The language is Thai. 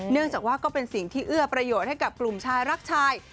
เนื่องจากว่าก็เป็นสิ่งที่เอื้อประโยชน์ให้กับกลุ่มชายรักชาย